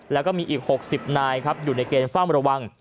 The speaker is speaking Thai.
แล้วก็มีอีก๖๐นายครับอยู่ในเกณฑ์เฝ้าระวัง